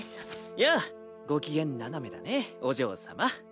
やあご機嫌斜めだねお嬢様。